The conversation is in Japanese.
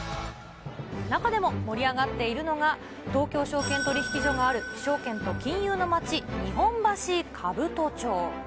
中でも、盛り上がっているのが、東京証券取引所がある証券と金融の街、日本橋兜町。